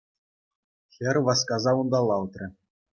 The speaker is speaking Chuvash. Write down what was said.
Хӗр васкаса унталла утрӗ.